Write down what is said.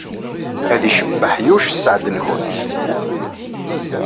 Ad icebbeḥ Yuc sseɛd-nwent.